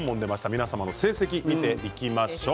皆さんの成績を見ていきましょう。